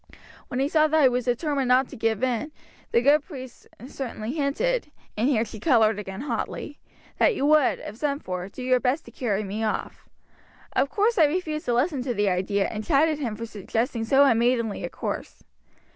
When he saw that I was determined not to give in, the good priest certainly hinted" (and here she coloured again hotly) "that you would, if sent for, do your best to carry me off. Of course I refused to listen to the idea, and chided him for suggesting so unmaidenly a course.